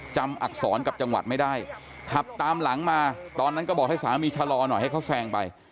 อักษรกับจังหวัดไม่ได้ขับตามหลังมาตอนนั้นก็บอกให้สามีชะลอหน่อยให้เขาแซงไป